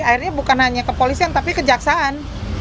akhirnya bukan hanya kepolisian tapi kejaksaan